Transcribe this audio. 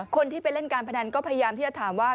คนที่ไปเล่นการพนันก็พยายามที่จะถามว่า